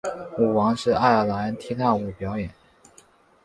舞王是爱尔兰踢踏舞表演。